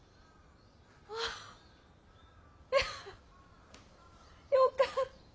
あっやよかった。